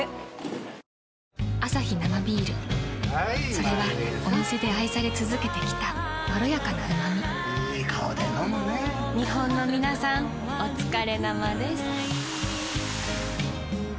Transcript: それはお店で愛され続けてきたいい顔で飲むね日本のみなさんおつかれ生です。